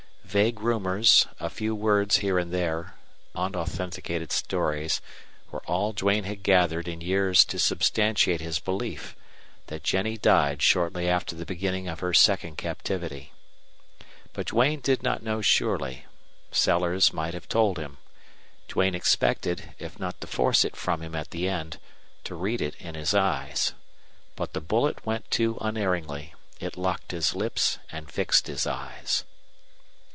Vague rumors, a few words here and there, unauthenticated stories, were all Duane had gathered in years to substantiate his belief that Jennie died shortly after the beginning of her second captivity. But Duane did not know surely. Sellers might have told him. Duane expected, if not to force it from him at the end, to read it in his eyes. But the bullet went too unerringly; it locked his lips and fixed his eyes.